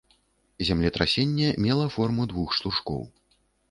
Землетрасенне мела форму двух штуршкоў.